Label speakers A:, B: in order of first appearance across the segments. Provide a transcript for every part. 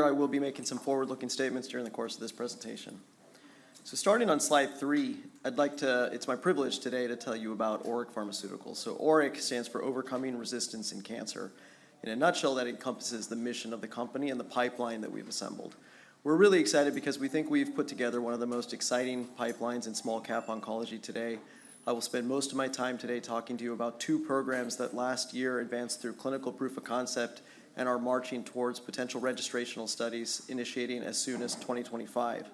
A: I will be making some forward-looking statements during the course of this presentation. So starting on slide 3, it's my privilege today to tell you about ORIC Pharmaceuticals. So ORIC stands for Overcoming Resistance in Cancer. In a nutshell, that encompasses the mission of the company and the pipeline that we've assembled. We're really excited because we think we've put together one of the most exciting pipelines in small cap oncology today. I will spend most of my time today talking to you about two programs that last year advanced through clinical proof of concept and are marching towards potential registrational studies, initiating as soon as 2025.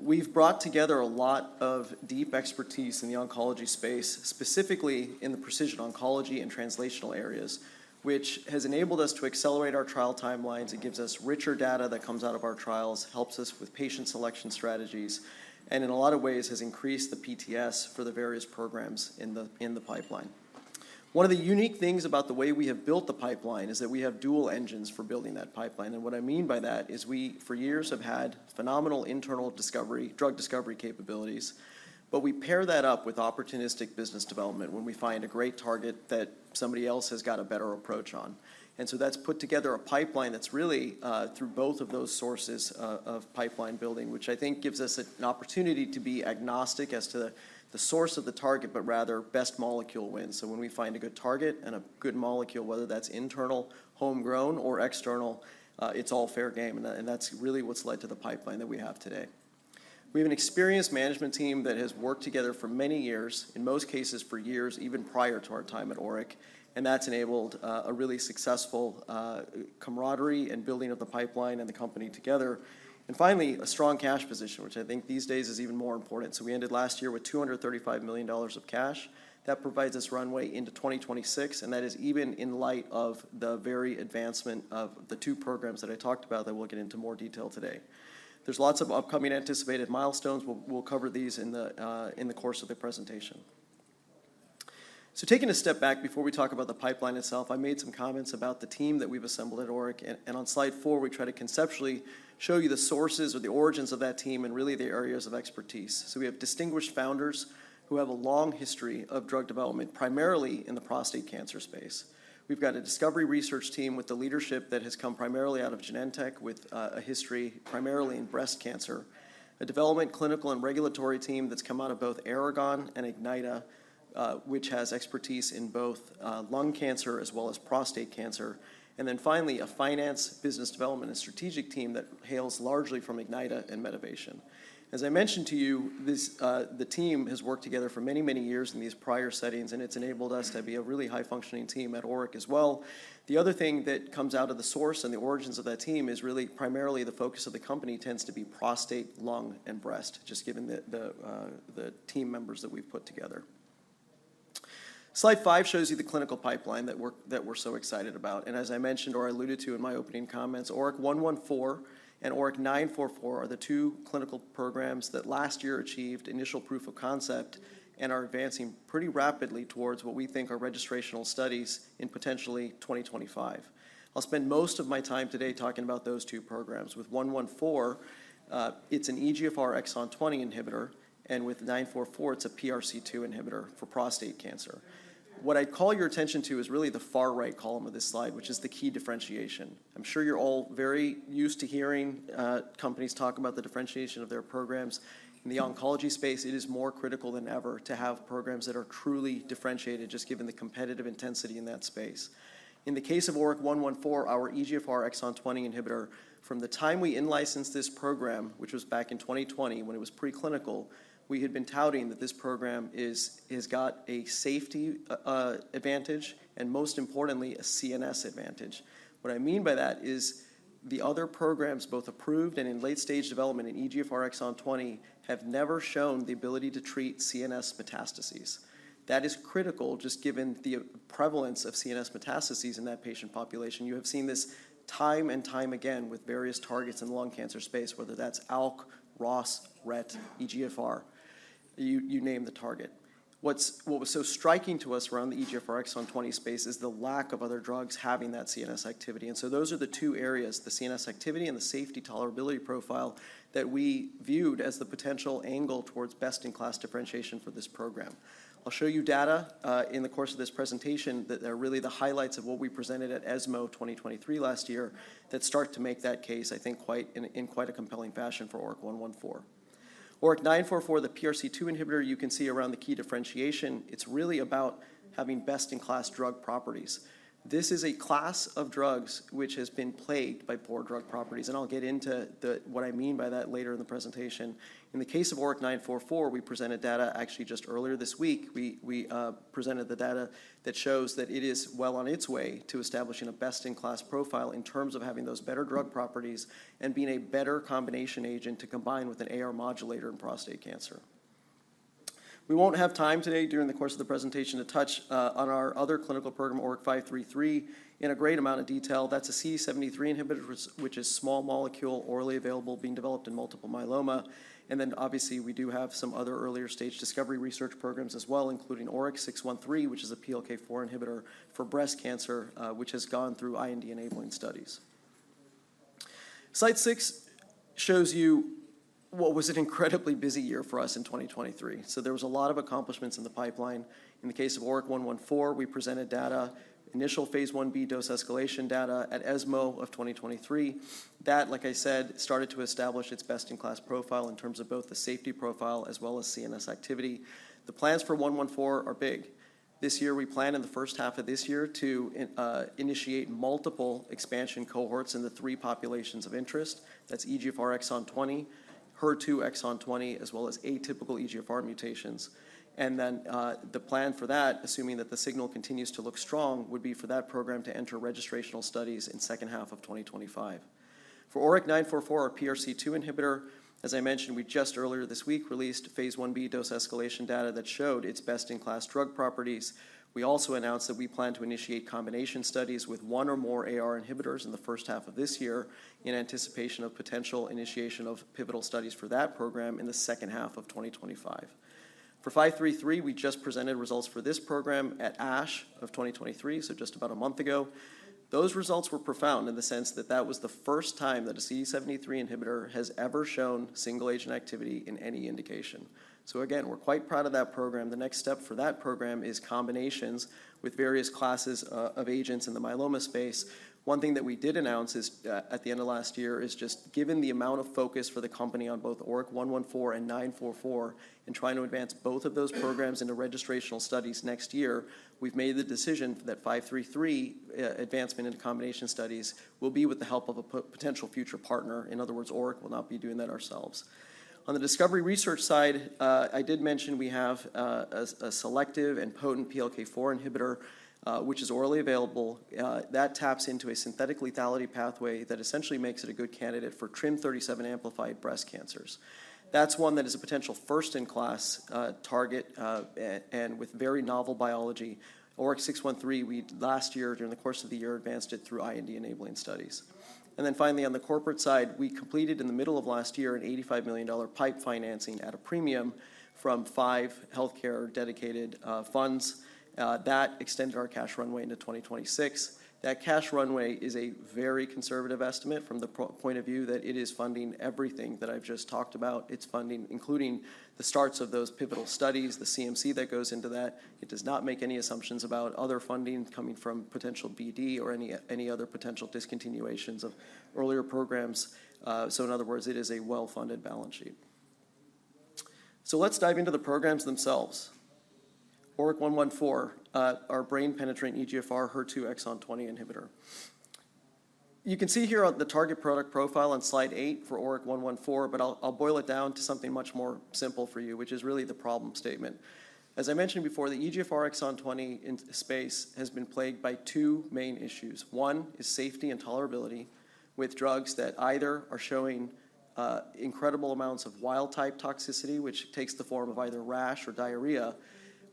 A: We've brought together a lot of deep expertise in the oncology space, specifically in the precision oncology and translational areas, which has enabled us to accelerate our trial timelines and gives us richer data that comes out of our trials, helps us with patient selection strategies, and in a lot of ways, has increased the PTS for the various programs in the pipeline. One of the unique things about the way we have built the pipeline is that we have dual engines for building that pipeline. And what I mean by that is we, for years, have had phenomenal internal discovery, drug discovery capabilities, but we pair that up with opportunistic business development when we find a great target that somebody else has got a better approach on. And so that's put together a pipeline that's really through both of those sources of pipeline building, which I think gives us an opportunity to be agnostic as to the source of the target, but rather best molecule wins. So when we find a good target and a good molecule, whether that's internal, homegrown or external, it's all fair game, and that's really what's led to the pipeline that we have today. We have an experienced management team that has worked together for many years, in most cases for years, even prior to our time at ORIC, and that's enabled a really successful camaraderie in building of the pipeline and the company together. And finally, a strong cash position, which I think these days is even more important. So we ended last year with $235 million of cash. That provides us runway into 2026, and that is even in light of the very advancement of the two programs that I talked about that we'll get into more detail today. There's lots of upcoming anticipated milestones. We'll, we'll cover these in the, in the course of the presentation. So taking a step back before we talk about the pipeline itself, I made some comments about the team that we've assembled at ORIC, and, and on slide four, we try to conceptually show you the sources or the origins of that team and really the areas of expertise. So we have distinguished founders who have a long history of drug development, primarily in the prostate cancer space. We've got a discovery research team with the leadership that has come primarily out of Genentech, with a history primarily in breast cancer. A development, clinical, and regulatory team that's come out of both Aragon and Ignyta, which has expertise in both lung cancer as well as prostate cancer. And then finally, a finance, business development, and strategic team that hails largely from Ignyta and Medivation. As I mentioned to you, this, the team has worked together for many, many years in these prior settings, and it's enabled us to be a really high-functioning team at Oric as well. The other thing that comes out of the source and the origins of that team is really primarily the focus of the company tends to be prostate, lung, and breast, just given the team members that we've put together. Slide five shows you the clinical pipeline that we're so excited about. As I mentioned or alluded to in my opening comments, ORIC-114 and ORIC-944 are the two clinical programs that last year achieved initial proof of concept and are advancing pretty rapidly towards what we think are registrational studies in potentially 2025. I'll spend most of my time today talking about those two programs. With ORIC-114, it's an EGFR exon 20 inhibitor, and with ORIC-944, it's a PRC2 inhibitor for prostate cancer. What I'd call your attention to is really the far right column of this slide, which is the key differentiation. I'm sure you're all very used to hearing companies talk about the differentiation of their programs. In the oncology space, it is more critical than ever to have programs that are truly differentiated, just given the competitive intensity in that space. In the case of ORIC-114, our EGFR exon 20 inhibitor, from the time we in-licensed this program, which was back in 2020 when it was preclinical, we had been touting that this program is, has got a safety advantage and most importantly, a CNS advantage. What I mean by that is the other programs, both approved and in late-stage development in EGFR exon 20, have never shown the ability to treat CNS metastases. That is critical just given the prevalence of CNS metastases in that patient population. You have seen this time and time again with various targets in the lung cancer space, whether that's ALK, ROS, RET, EGFR, you name the target. What was so striking to us around the EGFR exon 20 space is the lack of other drugs having that CNS activity. Those are the two areas, the CNS activity and the safety tolerability profile, that we viewed as the potential angle towards best-in-class differentiation for this program. I'll show you data in the course of this presentation that are really the highlights of what we presented at ESMO 2023 last year that start to make that case, I think, quite compelling for ORIC-114. ORIC-944, the PRC2 inhibitor, you can see around the key differentiation, it's really about having best-in-class drug properties. This is a class of drugs which has been plagued by poor drug properties, and I'll get into what I mean by that later in the presentation. In the case of ORIC-944, we presented data actually just earlier this week. We presented the data that shows that it is well on its way to establishing a best-in-class profile in terms of having those better drug properties and being a better combination agent to combine with an AR modulator in prostate cancer. We won't have time today during the course of the presentation to touch on our other clinical program, ORIC-533, in a great amount of detail. That's a CD73 inhibitor, which is small molecule, orally available, being developed in multiple myeloma. And then obviously, we do have some other earlier-stage discovery research programs as well, including ORIC-613, which is a PLK4 inhibitor for breast cancer, which has gone through IND-enabling studies. Slide 6 shows you what was an incredibly busy year for us in 2023. So there was a lot of accomplishments in the pipeline. In the case of ORIC-114, we presented data, initial phase 1b dose escalation data at ESMO of 2023. That, like I said, started to establish its best-in-class profile in terms of both the safety profile as well as CNS activity. The plans for ORIC-114 are big. This year, we plan in the first half of this year to initiate multiple expansion cohorts in the three populations of interest. That's EGFR exon 20, HER2 exon 20, as well as atypical EGFR mutations. And then, the plan for that, assuming that the signal continues to look strong, would be for that program to enter registrational studies in second half of 2025. For ORIC-944, our PRC2 inhibitor, as I mentioned, we just earlier this week released phase 1b dose escalation data that showed its best-in-class drug properties. We also announced that we plan to initiate combination studies with one or more AR inhibitors in the first half of this year in anticipation of potential initiation of pivotal studies for that program in the second half of 2025. For 533, we just presented results for this program at ASH of 2023, so just about a month ago. Those results were profound in the sense that that was the first time that a CD73 inhibitor has ever shown single-agent activity in any indication. So again, we're quite proud of that program. The next step for that program is combinations with various classes of agents in the myeloma space. One thing that we did announce is, at the end of last year, is just given the amount of focus for the company on both ORIC-114 and ORIC-944, and trying to advance both of those programs into registrational studies next year, we've made the decision that ORIC-533, advancement into combination studies will be with the help of a potential future partner. In other words, ORIC will not be doing that ourselves. On the discovery research side, I did mention we have a selective and potent PLK4 inhibitor, which is orally available. That taps into a synthetic lethality pathway that essentially makes it a good candidate for TRIM37 amplified breast cancers. That's one that is a potential first-in-class target and with very novel biology. ORIC-613, we last year, during the course of the year, advanced it through IND-enabling studies. And then finally, on the corporate side, we completed in the middle of last year an $85 million PIPE financing at a premium from five healthcare-dedicated funds. That extended our cash runway into 2026. That cash runway is a very conservative estimate from the point of view that it is funding everything that I've just talked about. It's funding, including the starts of those pivotal studies, the CMC that goes into that. It does not make any assumptions about other funding coming from potential BD or any other potential discontinuations of earlier programs. So in other words, it is a well-funded balance sheet. So let's dive into the programs themselves. ORIC-114, our brain-penetrant EGFR HER2 exon 20 inhibitor. You can see here on the target product profile on slide 8 for ORIC-114, but I'll, I'll boil it down to something much more simple for you, which is really the problem statement. As I mentioned before, the EGFR exon 20 space has been plagued by two main issues. One is safety and tolerability with drugs that either are showing incredible amounts of wild-type toxicity, which takes the form of either rash or diarrhea,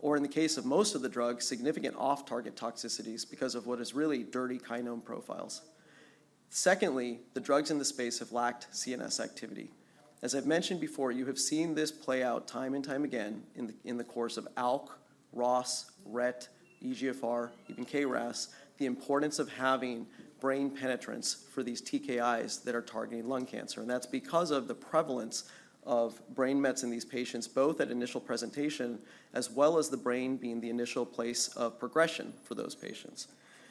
A: or in the case of most of the drugs, significant off-target toxicities because of what is really dirty kinome profiles. Secondly, the drugs in this space have lacked CNS activity. As I've mentioned before, you have seen this play out time and time again in the course of ALK, ROS, RET, EGFR, even KRAS, the importance of having brain penetrance for these TKIs that are targeting lung cancer, and that's because of the prevalence of brain mets in these patients, both at initial presentation, as well as the brain being the initial place of progression for those patients.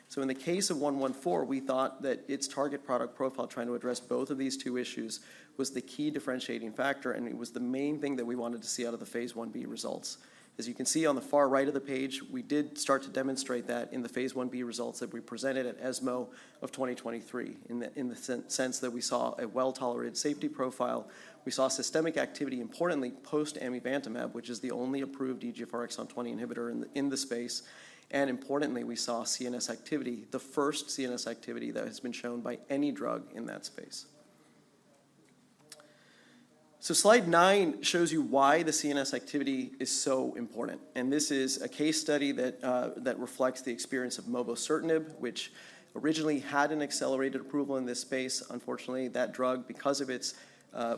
A: So in the case of ORIC-114, we thought that its target product profile, trying to address both of these two issues, was the key differentiating factor, and it was the main thing that we wanted to see out of the phase 1b results. As you can see on the far right of the page, we did start to demonstrate that in the phase 1b results that we presented at ESMO of 2023, in the, in the sense that we saw a well-tolerated safety profile. We saw systemic activity, importantly, post-amivantamab, which is the only approved EGFR exon 20 inhibitor in the, in the space, and importantly, we saw CNS activity, the first CNS activity that has been shown by any drug in that space. So slide 9 shows you why the CNS activity is so important, and this is a case study that reflects the experience of mobocertinib, which originally had an accelerated approval in this space. Unfortunately, that drug, because of its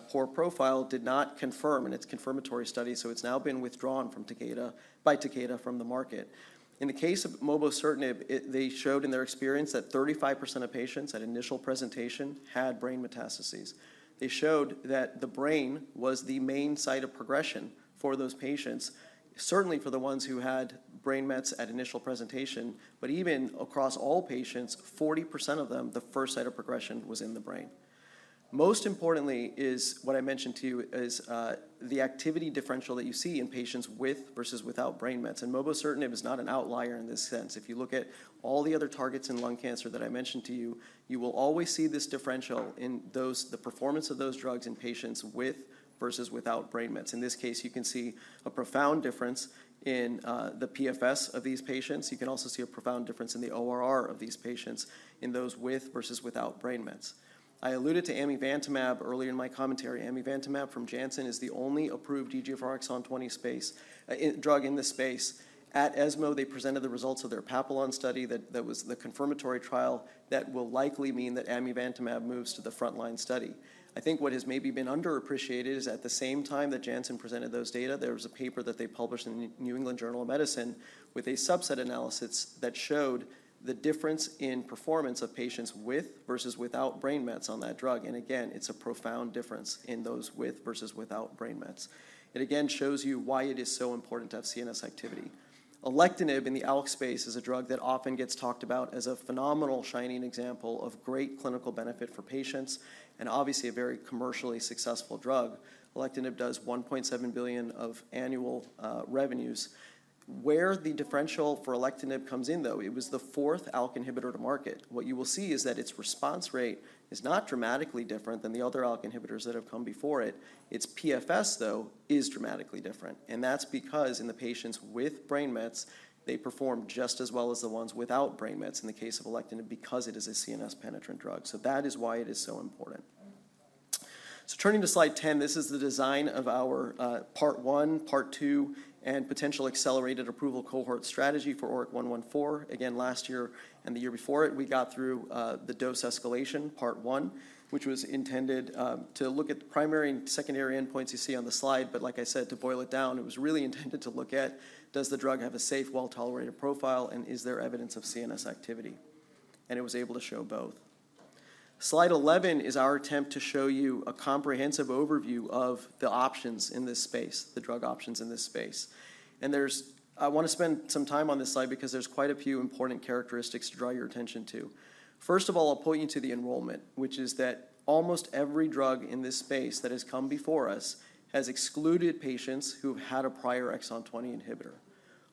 A: poor profile, did not confirm in its confirmatory study, so it's now been withdrawn from Takeda by Takeda from the market. In the case of mobocertinib, they showed in their experience that 35% of patients at initial presentation had brain metastases. They showed that the brain was the main site of progression for those patients, certainly for the ones who had brain mets at initial presentation, but even across all patients, 40% of them, the first site of progression was in the brain. Most importantly is what I mentioned to you, is, the activity differential that you see in patients with versus without brain mets, and mobocertinib is not an outlier in this sense. If you look at all the other targets in lung cancer that I mentioned to you, you will always see this differential in the performance of those drugs in patients with versus without brain mets. In this case, you can see a profound difference in the PFS of these patients. You can also see a profound difference in the ORR of these patients, in those with versus without brain mets. I alluded to amivantamab earlier in my commentary. Amivantamab from Janssen is the only approved EGFR exon 20 drug in this space. At ESMO, they presented the results of their Papillon study that was the confirmatory trial that will likely mean that amivantamab moves to the frontline study. I think what has maybe been underappreciated is, at the same time that Janssen presented those data, there was a paper that they published in the New England Journal of Medicine with a subset analysis that showed the difference in performance of patients with versus without brain mets on that drug, and again, it's a profound difference in those with versus without brain mets. It again shows you why it is so important to have CNS activity. Alectinib in the ALK space is a drug that often gets talked about as a phenomenal shining example of great clinical benefit for patients, and obviously a very commercially successful drug. Alectinib does $1.7 billion of annual revenues. Where the differential for alectinib comes in, though, it was the fourth ALK inhibitor to market. What you will see is that its response rate is not dramatically different than the other ALK inhibitors that have come before it. Its PFS, though, is dramatically different, and that's because in the patients with brain mets, they perform just as well as the ones without brain mets in the case of alectinib, because it is a CNS-penetrant drug. So that is why it is so important. So turning to slide 10, this is the design of our part one, part two, and potential accelerated approval cohort strategy for ORIC-114. Again, last year and the year before it, we got through the dose escalation, part one, which was intended to look at the primary and secondary endpoints you see on the slide. But like I said, to boil it down, it was really intended to look at, does the drug have a safe, well-tolerated profile, and is there evidence of CNS activity? And it was able to show both. Slide 11 is our attempt to show you a comprehensive overview of the options in this space, the drug options in this space. And there's—I wanna spend some time on this slide because there's quite a few important characteristics to draw your attention to. First of all, I'll point you to the enrollment, which is that almost every drug in this space that has come before us has excluded patients who've had a prior exon 20 inhibitor.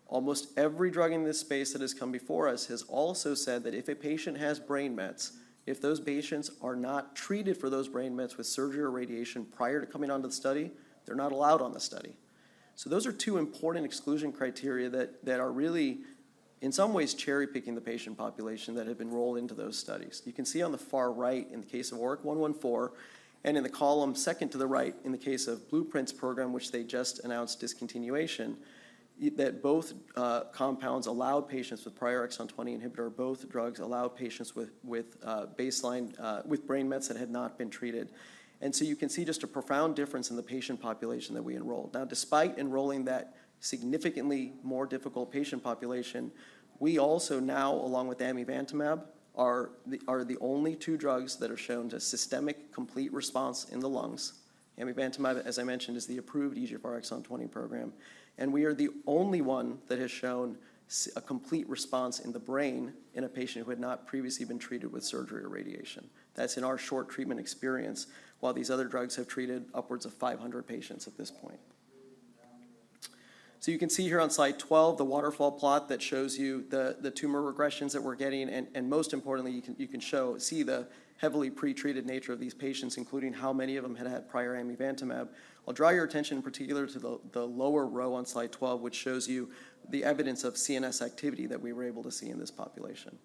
A: Almost every drug in this space that has come before us has also said that if a patient has brain mets, if those patients are not treated for those brain mets with surgery or radiation prior to coming onto the study, they're not allowed on the study. So those are two important exclusion criteria that are really, in some ways, cherry-picking the patient population that have been rolled into those studies. You can see on the far right, in the case of ORIC-114, and in the column second to the right, in the case of Blueprint's program, which they just announced discontinuation, that both compounds allowed patients with prior exon 20 inhibitor, both drugs allowed patients with baseline with brain mets that had not been treated. And so you can see just a profound difference in the patient population that we enrolled. Now, despite enrolling that significantly more difficult patient population, we also now, along with amivantamab, are the only two drugs that are shown to systemic complete response in the lungs. Amivantamab, as I mentioned, is the approved EGFR exon 20 program, and we are the only one that has shown a complete response in the brain in a patient who had not previously been treated with surgery or radiation. That's in our short treatment experience, while these other drugs have treated upwards of 500 patients at this point. So you can see here on slide 12, the waterfall plot that shows you the tumor regressions that we're getting, and most importantly, you can see the heavily pre-treated nature of these patients, including how many of them had had prior amivantamab. I'll draw your attention in particular to the lower row on slide 12, which shows you the evidence of CNS activity that we were able to see in this population.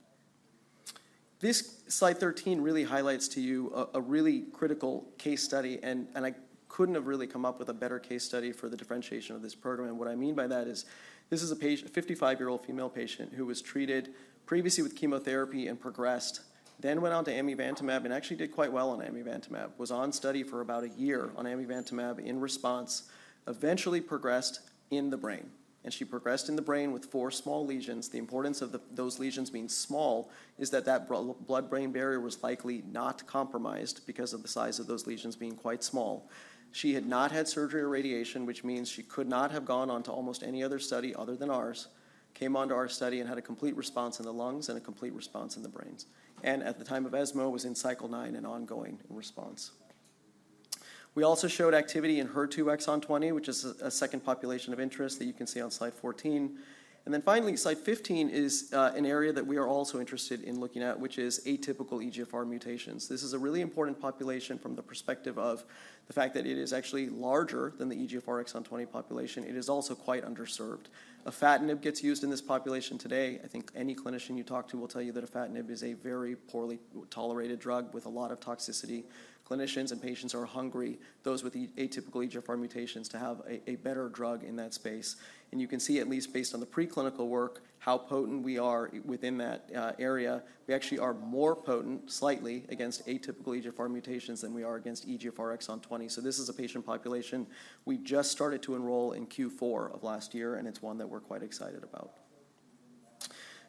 A: This slide 13 really highlights to you a really critical case study, and I couldn't have really come up with a better case study for the differentiation of this program. And what I mean by that is, this is a patient, a 55-year-old female patient, who was treated previously with chemotherapy and progressed, then went on to amivantamab and actually did quite well on amivantamab. Was on study for about a year on amivantamab in response, eventually progressed in the brain, and she progressed in the brain with four small lesions. The importance of those lesions being small is that the blood-brain barrier was likely not compromised because of the size of those lesions being quite small. She had not had surgery or radiation, which means she could not have gone on to almost any other study other than ours, came onto our study and had a complete response in the lungs and a complete response in the brains. And at the time of ESMO, was in cycle 9 and ongoing in response. We also showed activity in HER2 exon 20, which is a second population of interest that you can see on slide 14. And then finally, slide 15 is an area that we are also interested in looking at, which is atypical EGFR mutations. This is a really important population from the perspective of the fact that it is actually larger than the EGFR exon 20 population. It is also quite underserved. Afatinib gets used in this population today. I think any clinician you talk to will tell you that afatinib is a very poorly tolerated drug with a lot of toxicity. Clinicians and patients are hungry, those with atypical EGFR mutations, to have a better drug in that space. And you can see, at least based on the preclinical work, how potent we are within that area. We actually are more potent, slightly, against atypical EGFR mutations than we are against EGFR exon 20. So this is a patient population we just started to enroll in Q4 of last year, and it's one that we're quite excited about.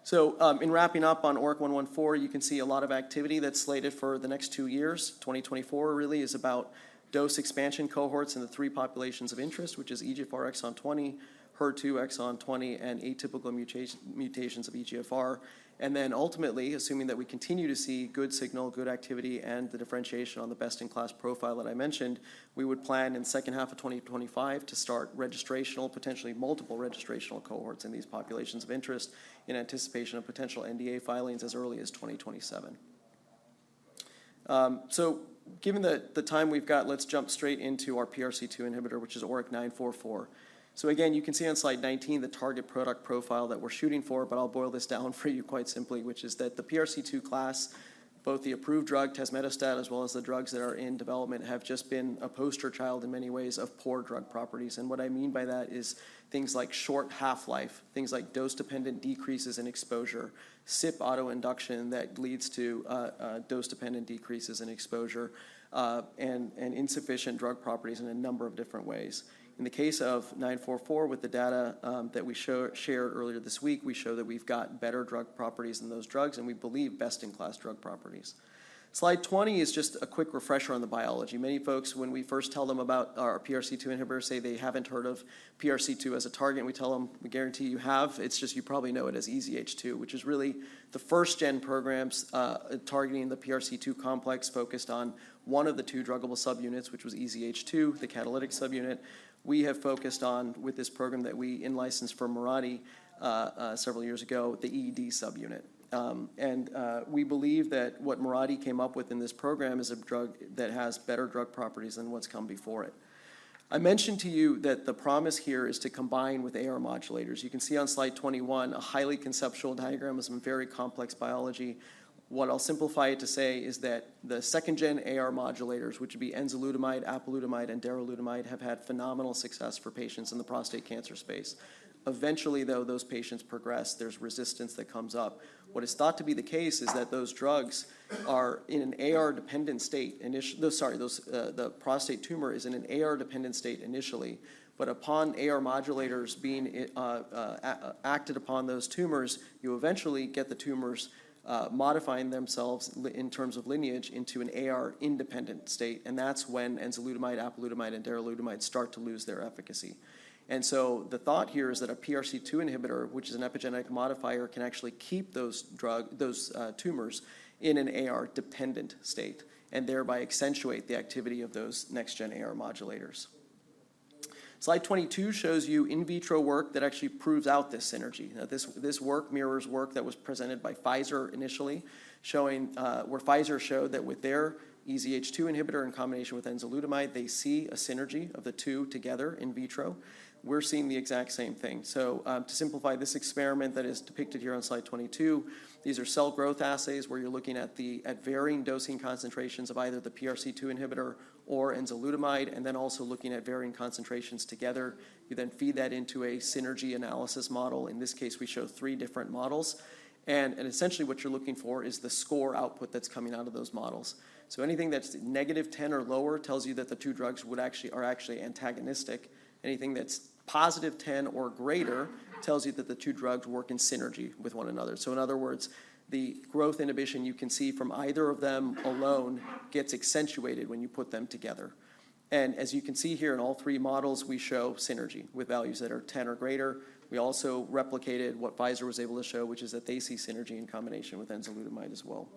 A: So, in wrapping up on ORIC-114, you can see a lot of activity that's slated for the next two years. 2024 really is about dose expansion cohorts in the three populations of interest, which is EGFR exon 20, HER2 exon 20, and atypical mutations of EGFR. And then ultimately, assuming that we continue to see good signal, good activity, and the differentiation on the best-in-class profile that I mentioned, we would plan in second half of 2025 to start registrational, potentially multiple registrational cohorts in these populations of interest, in anticipation of potential NDA filings as early as 2027. So given the time we've got, let's jump straight into our PRC2 inhibitor, which is ORIC-944. So again, you can see on slide 19 the target product profile that we're shooting for, but I'll boil this down for you quite simply, which is that the PRC2 class, both the approved drug tazemetostat, as well as the drugs that are in development, have just been a poster child in many ways of poor drug properties. And what I mean by that is things like short half-life, things like dose-dependent decreases in exposure, CYP autoinduction that leads to dose-dependent decreases in exposure, and insufficient drug properties in a number of different ways. In the case of ORIC-944, with the data that we shared earlier this week, we show that we've got better drug properties than those drugs, and we believe best-in-class drug properties. Slide 20 is just a quick refresher on the biology. Many folks, when we first tell them about our PRC2 inhibitor, say they haven't heard of PRC2 as a target, and we tell them: "We guarantee you have. It's just you probably know it as EZH2," which is really the first-gen programs targeting the PRC2 complex, focused on one of the two druggable subunits, which was EZH2, the catalytic subunit. We have focused on, with this program that we in-licensed from Mirati several years ago, the EED subunit. We believe that what Mirati came up with in this program is a drug that has better drug properties than what's come before it. I mentioned to you that the promise here is to combine with AR modulators. You can see on slide 21, a highly conceptual diagram of some very complex biology. What I'll simplify it to say is that the second-gen AR modulators, which would be enzalutamide, apalutamide, and darolutamide, have had phenomenal success for patients in the prostate cancer space. Eventually, though, those patients progress. There's resistance that comes up. What is thought to be the case is that the prostate tumor is in an AR-dependent state initially, but upon AR modulators being acted upon those tumors, you eventually get the tumors modifying themselves in terms of lineage into an AR-independent state, and that's when enzalutamide, apalutamide, and darolutamide start to lose their efficacy. And so the thought here is that a PRC2 inhibitor, which is an epigenetic modifier, can actually keep those tumors in an AR-dependent state, and thereby accentuate the activity of those next-gen AR modulators. Slide 22 shows you in vitro work that actually proves out this synergy. Now, this work mirrors work that was presented by Pfizer initially, showing where Pfizer showed that with their EZH2 inhibitor in combination with enzalutamide, they see a synergy of the two together in vitro. We're seeing the exact same thing. So, to simplify this experiment that is depicted here on slide 22, these are cell growth assays, where you're looking at varying dosing concentrations of either the PRC2 inhibitor or enzalutamide, and then also looking at varying concentrations together. You then feed that into a synergy analysis model. In this case, we show three different models, and essentially, what you're looking for is the score output that's coming out of those models. So anything that's -10 or lower tells you that the two drugs would actually are actually antagonistic. Anything that's positive 10 or greater tells you that the two drugs work in synergy with one another. So in other words, the growth inhibition you can see from either of them alone gets accentuated when you put them together. And as you can see here in all three models, we show synergy with values that are 10 or greater. We also replicated what Pfizer was able to show, which is that they see synergy in combination with enzalutamide as well.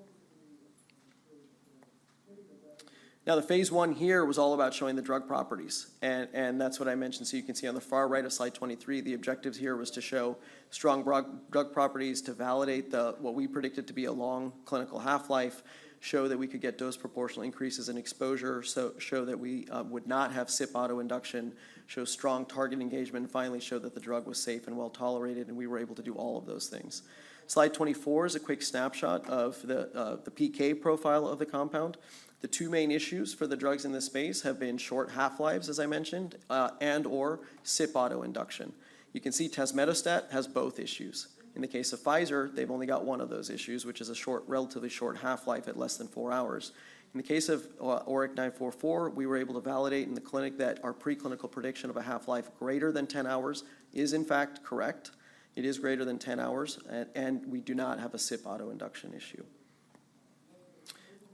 A: Now, the phase I here was all about showing the drug properties, and that's what I mentioned. So you can see on the far right of slide 23, the objectives here was to show strong drug properties, to validate the... What we predicted to be a long clinical half-life, show that we could get dose proportional increases in exposure, so show that we would not have CYP autoinduction, show strong target engagement, and finally, show that the drug was safe and well-tolerated, and we were able to do all of those things. Slide 24 is a quick snapshot of the PK profile of the compound. The two main issues for the drugs in this space have been short half-lives, as I mentioned, and/or CYP autoinduction. You can see tazemetostat has both issues. In the case of Pfizer, they've only got one of those issues, which is a short, relatively short half-life at less than 4 hours. In the case of ORIC-944, we were able to validate in the clinic that our preclinical prediction of a half-life greater than 10 hours is, in fact, correct. It is greater than 10 hours, and, and we do not have a CYP autoinduction issue.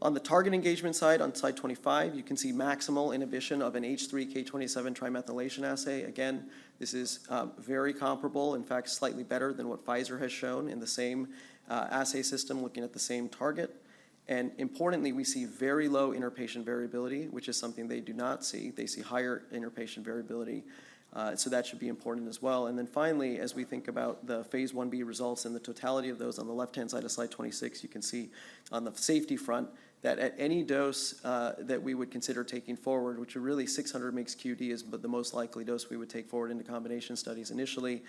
A: On the target engagement side, on slide 25, you can see maximal inhibition of an H3K27 trimethylation assay. Again, this is very comparable, in fact, slightly better than what Pfizer has shown in the same assay system, looking at the same target. And importantly, we see very low interpatient variability, which is something they do not see. They see higher interpatient variability, so that should be important as well. Then finally, as we think about the phase 1b results and the totality of those on the left-hand side of slide 26, you can see on the safety front that at any dose that we would consider taking forward, which are really 600 mg QD, is but the most likely dose we would take forward into combination studies initially,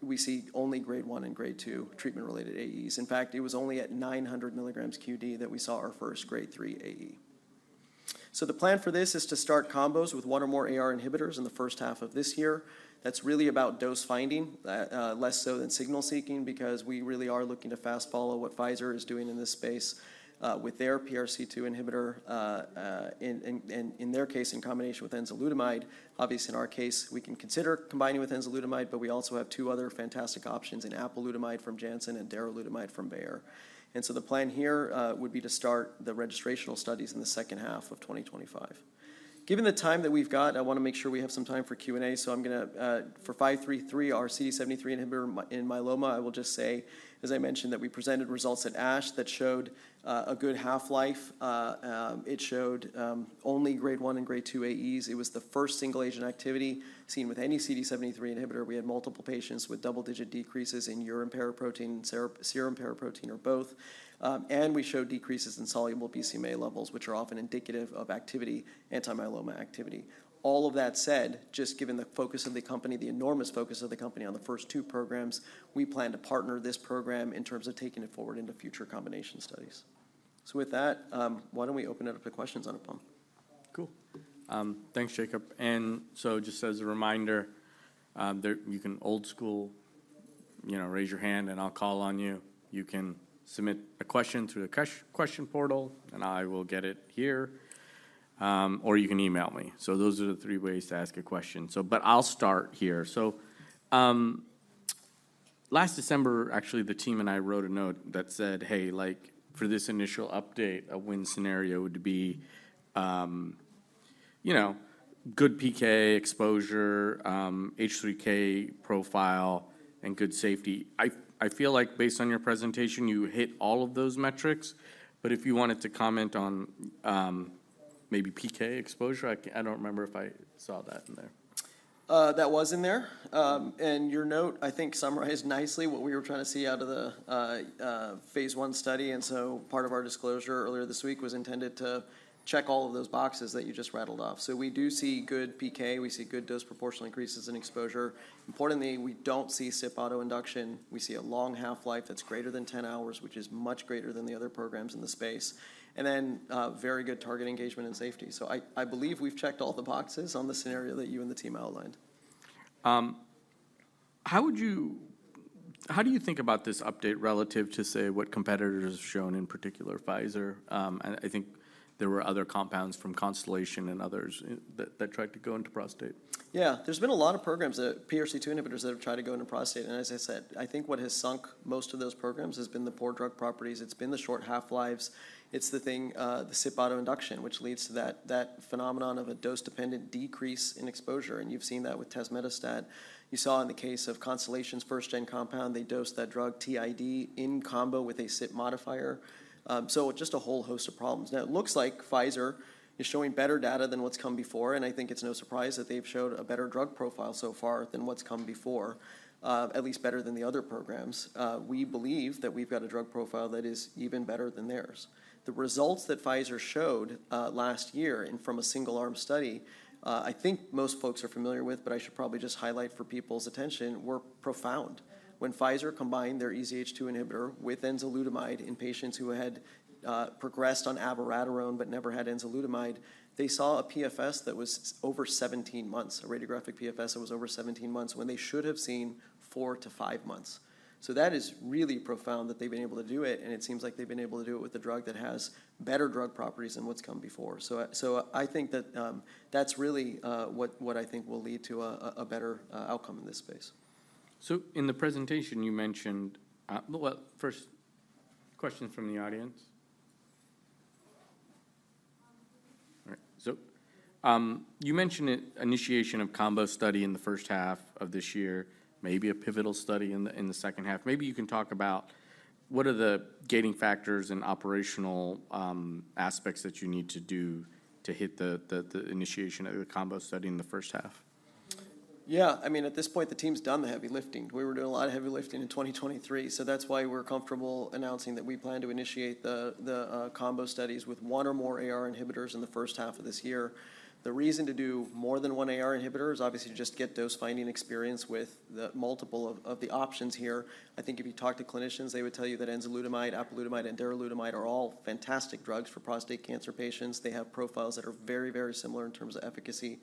A: we see only Grade 1 and Grade 2 treatment-related AEs. In fact, it was only at 900 milligrams QD that we saw our first Grade 3 AE. So the plan for this is to start combos with one or more AR inhibitors in the first half of this year. That's really about dose finding, less so than signal seeking, because we really are looking to fast-follow what Pfizer is doing in this space, with their PRC2 inhibitor, in their case, in combination with enzalutamide. Obviously, in our case, we can consider combining with enzalutamide, but we also have two other fantastic options in apalutamide from Janssen and darolutamide from Bayer. And so the plan here, would be to start the registrational studies in the second half of 2025. Given the time that we've got, I wanna make sure we have some time for Q&A, so I'm gonna, for 533, our CD73 inhibitor in myeloma, I will just say, as I mentioned, that we presented results at ASH that showed, a good half-life. It showed only Grade 1 and Grade 2 AEs. It was the first single-agent activity seen with any CD73 inhibitor. We had multiple patients with double-digit decreases in urine paraprotein, serum paraprotein, or both, and we showed decreases in soluble BCMA levels, which are often indicative of activity, anti-myeloma activity. All of that said, just given the focus of the company, the enormous focus of the company on the first two programs, we plan to partner this program in terms of taking it forward into future combination studies. So with that, why don't we open it up to questions, Anupam?
B: Cool. Thanks, Jacob, and so just as a reminder, you can old school, you know, raise your hand, and I'll call on you. You can submit a question through the question portal, and I will get it here, or you can email me. So those are the three ways to ask a question, so but I'll start here. So, last December, actually, the team and I wrote a note that said, "Hey, like, for this initial update, a win scenario would be, you know, good PK exposure, H3K profile, and good safety." I feel like based on your presentation, you hit all of those metrics, but if you wanted to comment on, maybe PK exposure, I don't remember if I saw that in there.
A: That was in there, and your note, I think, summarized nicely what we were trying to see out of the phase 1 study. And so part of our disclosure earlier this week was intended to check all of those boxes that you just rattled off. So we do see good PK, we see good dose proportional increases in exposure. Importantly, we don't see CYP auto induction. We see a long half-life that's greater than 10 hours, which is much greater than the other programs in the space, and then very good target engagement and safety. So I, I believe we've checked all the boxes on the scenario that you and the team outlined.
B: How do you think about this update relative to, say, what competitors have shown, in particular, Pfizer? I think there were other compounds from Constellation and others that tried to go into prostate.
A: Yeah. There's been a lot of programs that PRC2 inhibitors that have tried to go into prostate, and as I said, I think what has sunk most of those programs has been the poor drug properties, it's been the short half-lives, it's the thing, the CYP auto induction, which leads to that, that phenomenon of a dose-dependent decrease in exposure, and you've seen that with tazemetostat. You saw in the case of Constellation's first-gen compound, they dosed that drug TID in combo with a CYP modifier. So just a whole host of problems. Now, it looks like Pfizer is showing better data than what's come before, and I think it's no surprise that they've showed a better drug profile so far than what's come before, at least better than the other programs. We believe that we've got a drug profile that is even better than theirs. The results that Pfizer showed last year, and from a single-arm study, I think most folks are familiar with, but I should probably just highlight for people's attention, were profound. When Pfizer combined their EZH2 inhibitor with enzalutamide in patients who had progressed on abiraterone but never had enzalutamide, they saw a PFS that was over 17 months, a radiographic PFS that was over 17 months, when they should have seen 4-5 months. So that is really profound that they've been able to do it, and it seems like they've been able to do it with a drug that has better drug properties than what's come before. So I think that that's really what I think will lead to a better outcome in this space.
B: So in the presentation, you mentioned... Well, first, questions from the audience? All right. So, you mentioned initiation of combo study in the first half of this year, maybe a pivotal study in the second half. Maybe you can talk about what are the gating factors and operational aspects that you need to do to hit the initiation of the combo study in the first half?
A: Yeah. I mean, at this point, the team's done the heavy lifting. We were doing a lot of heavy lifting in 2023, so that's why we're comfortable announcing that we plan to initiate the combo studies with one or more AR inhibitors in the first half of this year. The reason to do more than one AR inhibitor is obviously to just get dose-finding experience with the multiple of the options here. I think if you talk to clinicians, they would tell you that enzalutamide, apalutamide, and darolutamide are all fantastic drugs for prostate cancer patients. They have profiles that are very, very similar in terms of efficacy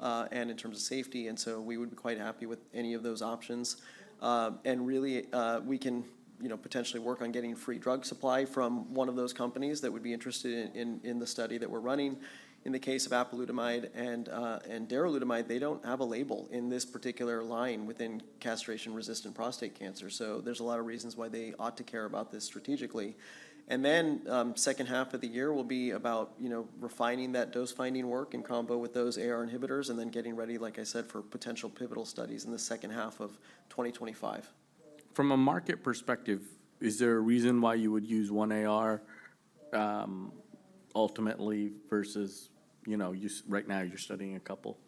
A: and in terms of safety, and so we would be quite happy with any of those options. And really, we can, you know, potentially work on getting free drug supply from one of those companies that would be interested in the study that we're running. In the case of apalutamide and darolutamide, they don't have a label in this particular line within castration-resistant prostate cancer, so there's a lot of reasons why they ought to care about this strategically. And then, second half of the year will be about, you know, refining that dose-finding work in combo with those AR inhibitors, and then getting ready, like I said, for potential pivotal studies in the second half of 2025.
B: From a market perspective, is there a reason why you would use one AR, ultimately, versus, you know, right now, you're studying a couple?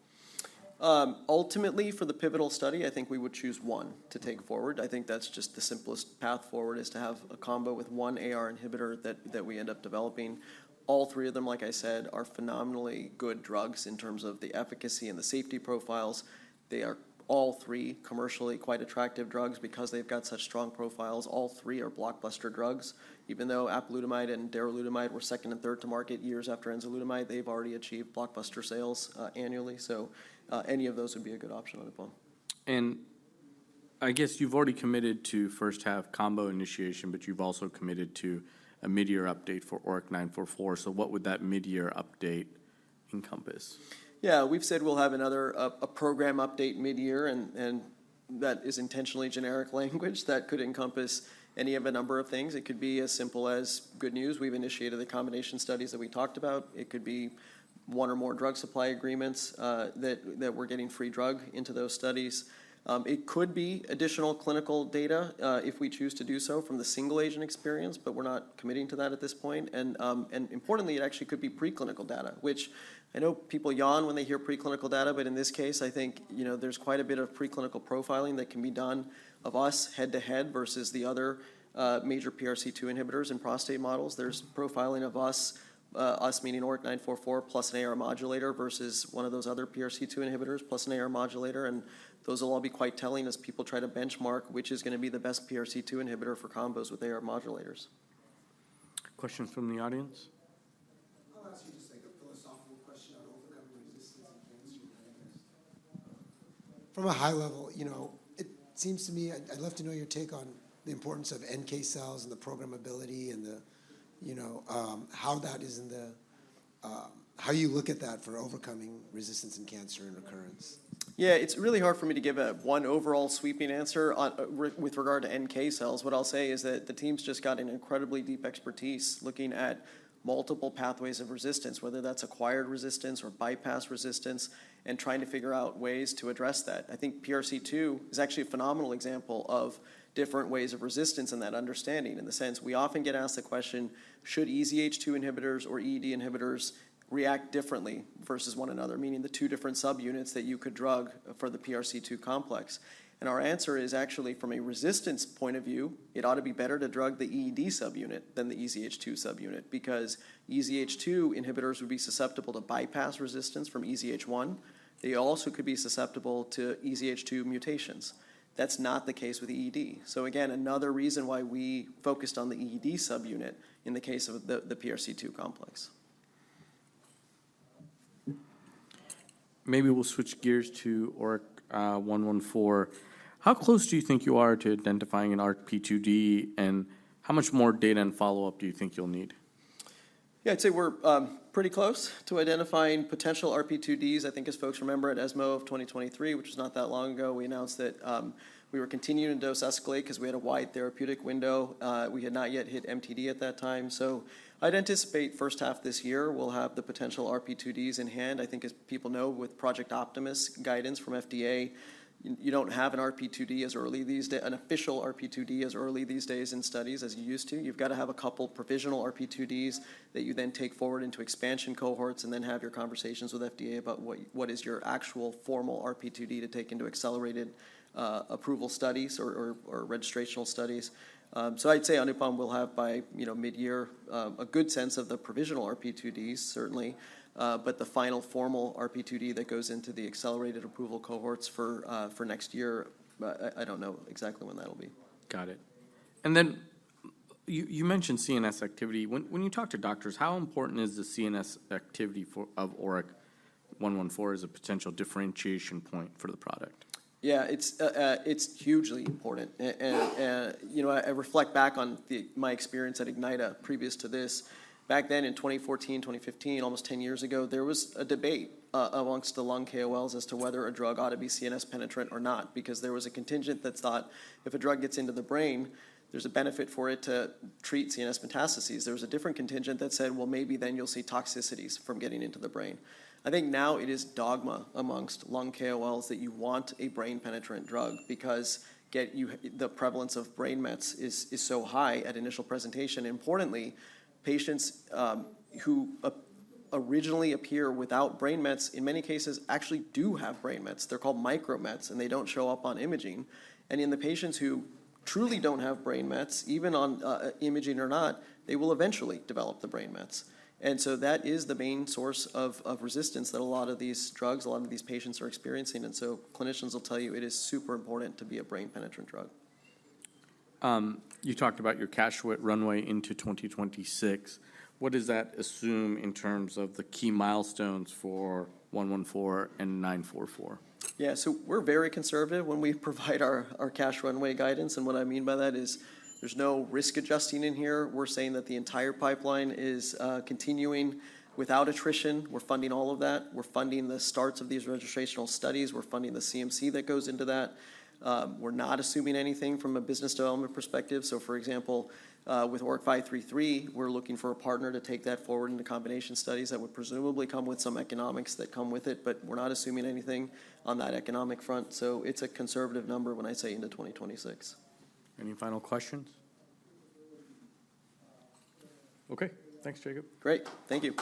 A: Ultimately, for the pivotal study, I think we would choose one to take forward. I think that's just the simplest path forward, is to have a combo with one AR inhibitor that, that we end up developing. All three of them, like I said, are phenomenally good drugs in terms of the efficacy and the safety profiles. They are all three commercially quite attractive drugs because they've got such strong profiles. All three are blockbuster drugs. Even though apalutamide and darolutamide were second and third to market, years after enzalutamide, they've already achieved blockbuster sales, annually. So, any of those would be a good option on the phone.
B: I guess you've already committed to first half combo initiation, but you've also committed to a mid-year update for ORIC-944. What would that mid-year update encompass?
A: Yeah. We've said we'll have another update mid-year, and that is intentionally generic language that could encompass any of a number of things. It could be as simple as good news. We've initiated the combination studies that we talked about. It could be one or more drug supply agreements that we're getting free drug into those studies. It could be additional clinical data if we choose to do so from the single-agent experience, but we're not committing to that at this point. And importantly, it actually could be preclinical data, which I know people yawn when they hear preclinical data, but in this case, I think, you know, there's quite a bit of preclinical profiling that can be done of us head-to-head versus the other major PRC2 inhibitors in prostate models. There's profiling of us, us meaning ORIC-944, plus an AR modulator versus one of those other PRC2 inhibitors plus an AR modulator, and those will all be quite telling as people try to benchmark which is gonna be the best PRC2 inhibitor for combos with AR modulators.
B: Question from the audience?
C: I'll ask you just, like, a philosophical question on overcoming resistance in cancer. From a high level, you know, it seems to me... I'd love to know your take on the importance of NK cells and the programmability and the, you know, how that is in the-- how you look at that for overcoming resistance in cancer and recurrence?
A: Yeah, it's really hard for me to give a one overall sweeping answer on, with regard to NK cells. What I'll say is that the team's just got an incredibly deep expertise looking at multiple pathways of resistance, whether that's acquired resistance or bypass resistance, and trying to figure out ways to address that. I think PRC2 is actually a phenomenal example of different ways of resistance and that understanding, in the sense we often get asked the question: Should EZH2 inhibitors or EED inhibitors react differently versus one another? Meaning the two different subunits that you could drug for the PRC2 complex. And our answer is actually, from a resistance point of view, it ought to be better to drug the EED subunit than the EZH2 subunit, because EZH2 inhibitors would be susceptible to bypass resistance from EZH1. They also could be susceptible to EZH2 mutations. That's not the case with EED. So again, another reason why we focused on the EED subunit in the case of the PRC2 complex.
B: Maybe we'll switch gears to ORIC-114. How close do you think you are to identifying an RP2D, and how much more data and follow-up do you think you'll need?
A: Yeah, I'd say we're pretty close to identifying potential RP2Ds. I think, as folks remember, at ESMO of 2023, which is not that long ago, we announced that we were continuing to dose escalate 'cause we had a wide therapeutic window. We had not yet hit MTD at that time. So I'd anticipate first half this year, we'll have the potential RP2Ds in hand. I think, as people know, with Project Optimus guidance from FDA, you don't have an RP2D as early these days in studies as you used to. You've got to have a couple provisional RP2Ds that you then take forward into expansion cohorts and then have your conversations with FDA about what is your actual formal RP2D to take into accelerated approval studies or registrational studies. So I'd say Anupam will have by, you know, midyear, a good sense of the provisional RP2Ds, certainly. But the final formal RP2D that goes into the accelerated approval cohorts for next year, I don't know exactly when that'll be.
B: Got it. And then you mentioned CNS activity. When you talk to doctors, how important is the CNS activity for ORIC-114 as a potential differentiation point for the product?
A: Yeah, it's, it's hugely important. And, you know, I reflect back on my experience at Ignyta previous to this. Back then, in 2014, 2015, almost 10 years ago, there was a debate amongst the lung KOLs as to whether a drug ought to be CNS-penetrant or not, because there was a contingent that thought if a drug gets into the brain, there's a benefit for it to treat CNS metastases. There was a different contingent that said, "Well, maybe then you'll see toxicities from getting into the brain." I think now it is dogma amongst lung KOLs that you want a brain-penetrant drug because the prevalence of brain mets is so high at initial presentation. Importantly, patients who originally appear without brain mets, in many cases, actually do have brain mets. They're called micromets, and they don't show up on imaging. In the patients who truly don't have brain mets, even on imaging or not, they will eventually develop the brain mets. So that is the main source of resistance that a lot of these drugs, a lot of these patients are experiencing. So clinicians will tell you it is super important to be a brain-penetrant drug.
B: You talked about your cash runway into 2026. What does that assume in terms of the key milestones for 114 and 944?
A: Yeah. So we're very conservative when we provide our, our cash runway guidance, and what I mean by that is there's no risk adjusting in here. We're saying that the entire pipeline is continuing without attrition. We're funding all of that. We're funding the starts of these registrational studies. We're funding the CMC that goes into that. We're not assuming anything from a business development perspective. So, for example, with ORIC-533, we're looking for a partner to take that forward into combination studies that would presumably come with some economics that come with it, but we're not assuming anything on that economic front. So it's a conservative number when I say into 2026.
C: Any final questions? Okay, thanks, Jacob.
A: Great. Thank you.